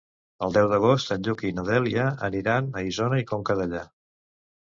El deu d'agost en Lluc i na Dèlia aniran a Isona i Conca Dellà.